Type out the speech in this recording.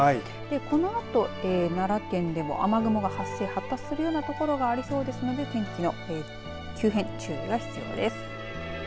このあと奈良県でも雨雲が発生、発達するようなところがありそうですので天気の急変、注意が必要です。